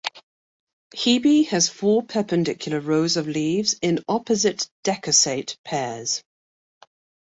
"Hebe" has four perpendicular rows of leaves in opposite decussate pairs.